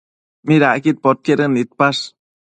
¿Midacquid podquedën nidpash?